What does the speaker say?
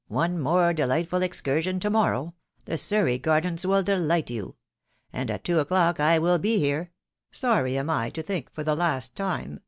one more delightful ex cursion to morrow — the Surrey Gardens will delight you! .... and at two o'clock I will be here. ... Sorry am I to think for the last time